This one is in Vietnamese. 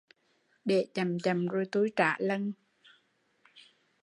Để chậm chậm rồi tui trả lần